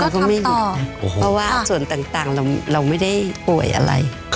เค้าว่าส่วนต่างเราไม่ได้ป่วยอะไร